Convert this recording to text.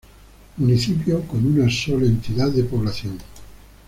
Municipio con una sola entidad de población.